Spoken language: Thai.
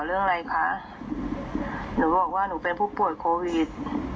เรื่องอะไรคะหนูบอกว่าหนูเป็นผู้ป่วยโควิด